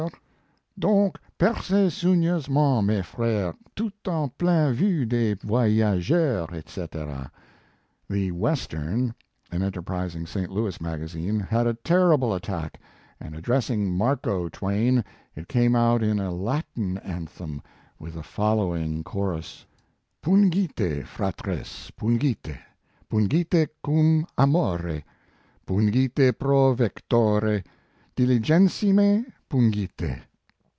Done, percezsoigneusement, mes freres, Tout en pleine vue des voyageurs, etc. The Western, an enterprising St. Louis magazine, had a terrible attack, and ad dressing "Marco Twain" it came out in a Latin anthem, with the following chorus: Pungite, fratres, pungite, Pungite cum arnore Pungite pro vectore Diligentissime pungite.